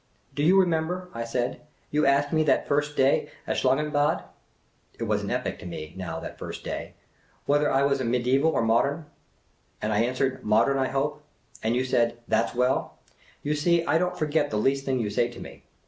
" Do you remember," I said, you asked me that first day at Schlangenbad "— it was an epoch to me, now, that first day —" whether I was mediaeval or modern ? And I answered, ' Modern, I hope.' And ,you said, ' That 's well !'— You see, I don't forget the least things you say to me.